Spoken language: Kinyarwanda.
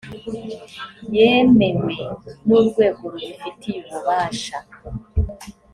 yemewe n urwego rubifitiye ububasha